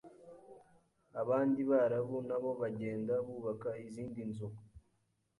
abandi Barabu nabo bagenda bubaka izindi nzu